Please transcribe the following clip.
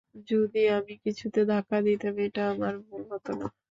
যদি আমি কিছুতে ধাক্কা দিতাম, এটা আমার ভুল হতো না।